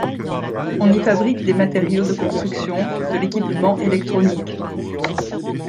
On y fabrique des matériaux de construction, de l’équipement électronique.